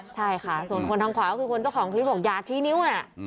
ใช่ค่ะส่วนคนทางขวาก็คือคนเจ้าของคลิปบอกอย่าชี้นิ้วน่ะ